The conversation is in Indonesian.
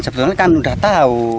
sebetulnya kan sudah tahu